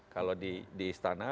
kalau di istana